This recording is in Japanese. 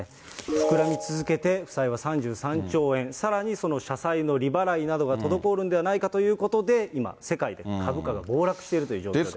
膨らみ続けて、負債は３３兆円、さらにその社債の利払いなどが滞るんではないかということで、今、世界で株価が暴落しているという状況です。